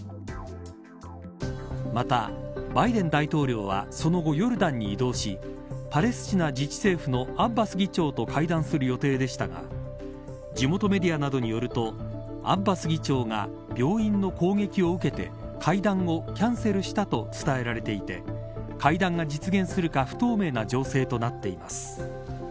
また、バイデン大統領はその後ヨルダンに移動しパレスチナ自治政府のアッバス議長と会談する予定でしたが地元メディアなどによるとアッバス議長が病院の攻撃を受けて会談をキャンセルしたと伝えられていて会談が実現するか不透明な情勢となっています。